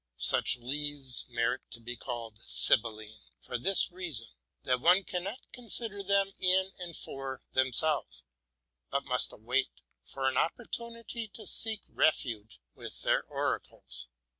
Such leaves merit to be called sybilline, for this reason: that one cannot con sider them in and for themselves, but must wait for an opportunity to seek refuge with their oracles.